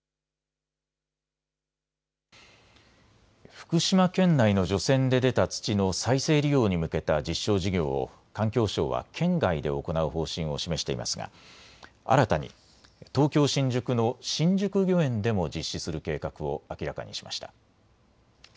福島県内の除染で出た土の再生利用に向けた実証事業を環境省は県外で行う方針を示していますが新たに東京新宿の新宿御苑でも実施する計画を明らかにしました。